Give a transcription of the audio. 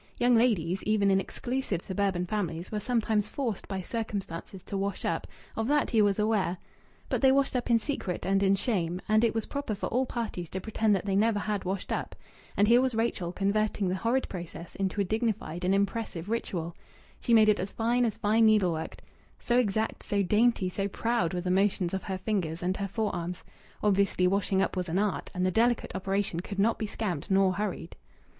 Young ladies, even in exclusive suburban families, were sometimes forced by circumstances to wash up of that he was aware but they washed up in secret and in shame, and it was proper for all parties to pretend that they never had washed up. And here was Rachel converting the horrid process into a dignified and impressive ritual. She made it as fine as fine needlework so exact, so dainty, so proud were the motions of her fingers and her forearms. Obviously washing up was an art, and the delicate operation could not be scamped nor hurried